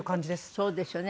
そうですよね。